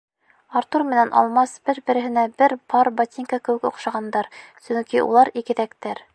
Артур менән Алмас бер-береһенә бер пар ботинка кеүек оҡшағандар, сөнки улар игеҙәктәр.